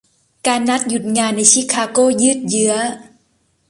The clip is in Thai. การนัดหยุดงานในชิคาโกยืดเยื้อ